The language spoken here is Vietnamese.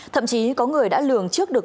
thậm chí có người đã lường trước được